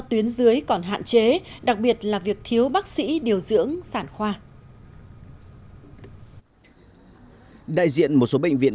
tuyến dưới còn hạn chế đặc biệt là việc thiếu bác sĩ điều dưỡng sản khoa đại diện một số bệnh viện